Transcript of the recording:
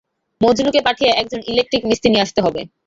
মজনুকে পাঠিয়ে একজন ইলেকটিক মিস্ত্রি নিয়ে আসতে হবে।